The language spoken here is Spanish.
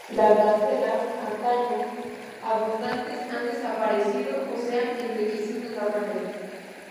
Las gacelas, antaño abundantes, han desaparecido o se han enrarecido enormemente.